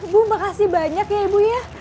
bu makasih banyak ya ibu ya